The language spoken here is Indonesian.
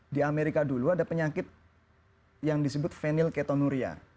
di amerika dulu ada penyakit yang disebut venil ketonuria